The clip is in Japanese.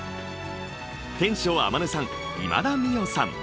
天翔天音さん、今田美桜さん